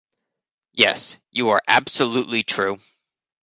Yes, you are absolutely true.